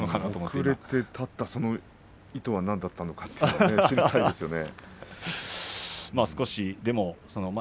遅れて立ったその意図は何だったのか知りたいところですね。